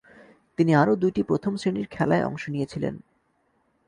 তিনি আরও দুইটি প্রথম-শ্রেণীর খেলায় অংশ নিয়েছিলেন।